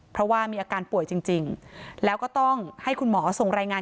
เพราะว่ามีอาการป่วยจริงแล้วก็ต้องให้คุณหมอส่งรายงาน